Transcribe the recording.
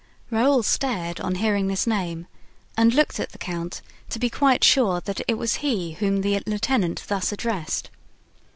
Raoul stared on hearing this name and looked at the count to be quite sure that it was he whom the lieutenant thus addressed.